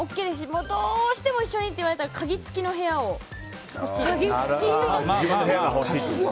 どうしても一緒にって言われたら鍵付きの部屋が欲しいです。